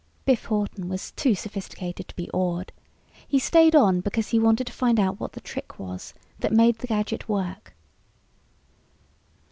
Biff Hawton was too sophisticated to be awed. He stayed on because he wanted to find out what the trick was that made the gadget work.